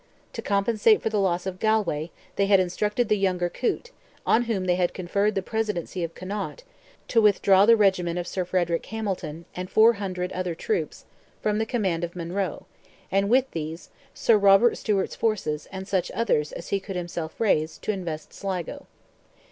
To compensate for the loss of Galway, they had instructed the younger Coote, on whom they had conferred the Presidency of Connaught, to withdraw the regiment of Sir Frederick Hamilton, and 400 other troops, from the command of Monroe, and with these, Sir Robert Stewart's forces, and such others as he could himself raise, to invest Sligo.